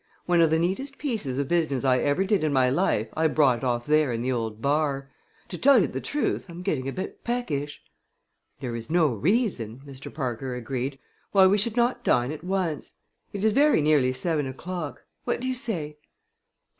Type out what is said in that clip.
One of the neatest pieces of business I ever did in my life I brought off there in the old bar. To tell you the truth, I'm getting a bit peckish." "There is no reason," Mr. Parker agreed, "why we should not dine at once. It is very nearly seven o'clock. What do you say?"